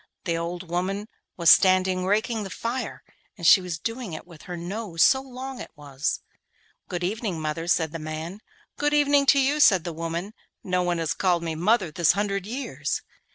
The old woman was standing raking the fire, and she was doing it with her nose, so long it was. 'Good evening, mother,' said the man. 'Good evening to you,' said the old woman. 'No one has called me mother this hundred years.